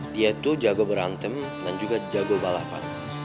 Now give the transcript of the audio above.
dia itu jago berantem dan juga jago balapan